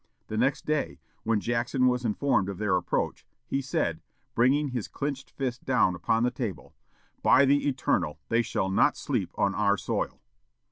The next day, when Jackson was informed of their approach, he said, bringing his clenched fist down upon the table, "By the Eternal, they shall not sleep on our soil!"